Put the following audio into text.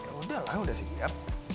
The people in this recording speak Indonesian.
yaudahlah udah siap